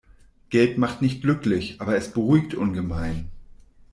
Geld macht nicht glücklich, aber es beruhigt ungemein.